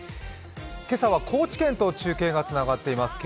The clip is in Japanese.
今朝は高知県と中継がつながっています。